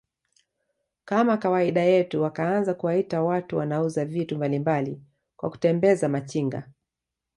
kama kawaida yetu wakaanza kuwaita watu wanauza vitu mbalimbali kwa kutembeza Machinga